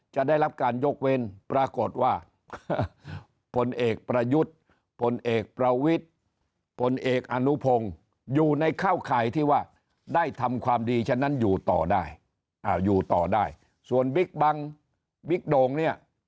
จะได้รับการยกเว้นปรากฏว่าผลเอกประยุทธ์ผลเอกประวิทธิ์พลเอกอนุพงศ์อยู่ในเข้าข่ายที่ว่าได้ทำความดีฉะนั้นอยู่ต่อได้อยู่ต่อได้ส่วนบิ๊กบังบิ๊กโดงเนี่ย